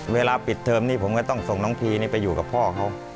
เวลาปิดเทอมนี้ผมก็ต้องส่งน้องพีไปอยู่กับพ่อเขา